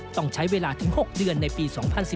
ต้องใช้เวลาถึง๖เดือนในปี๒๔